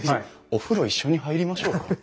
「お風呂一緒に入りましょうか」？